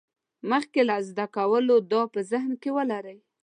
مخکې له زده کولو دا په ذهن کې ولرئ.